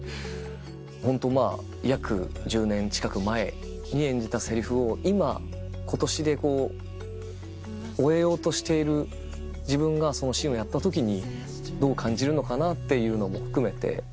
ホントまぁ約１０年近く前に演じたセリフを今今年で終えようとしている自分がそのシーンをやった時にどう感じるのかな？っていうのも含めて。